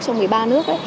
trong một mươi ba nước